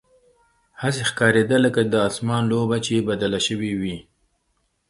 هسې ښکارېده لکه د اسمان لوبه چې بدله شوې وي.